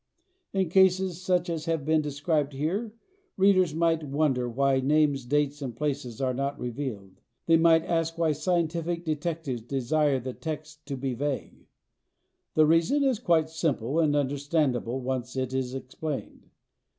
In cases such as have been described here readers might wonder why names, dates and places are not revealed. They might ask why scientific detectives desire the text to be vague. The reason is quite simple and understandable once it is explained.